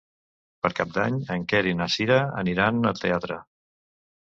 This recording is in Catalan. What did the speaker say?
Per Cap d'Any en Quer i na Cira aniran al teatre.